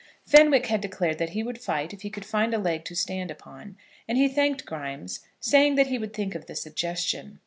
Fenwick had declared that he would fight if he could find a leg to stand upon, and he thanked Grimes, saying that he would think of the suggestion.